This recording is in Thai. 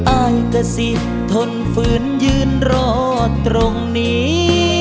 อ้ายก็สิทธิ์ทนฝืนยืนรอตรงนี้